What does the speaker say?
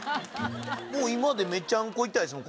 もう今でめちゃんこ痛いですもん